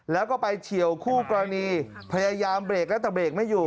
แล้วก็ไปเฉียวคู่กรณีพยายามเบรกแล้วแต่เบรกไม่อยู่